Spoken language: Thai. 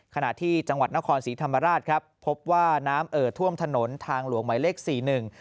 ขณะที่จังหวัดนครศรีธรรมราชครับพบว่าน้ำเอ่อท่วมถนนทางหลวงหมายเลขสี่หนึ่ง